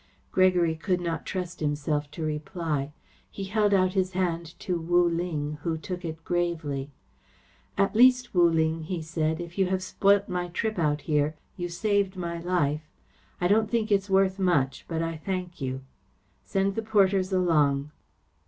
Gregory could not trust himself to reply. He held out his hand to Wu Ling, who took it gravely. "At least, Wu Ling," he said, "if you have spoilt my trip out here, you saved my life. I don't think it's worth much, but I thank you. Send the porters along."